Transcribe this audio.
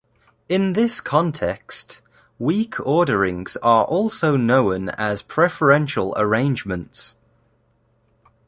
In this context, weak orderings are also known as preferential arrangements.